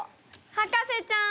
博士ちゃーん！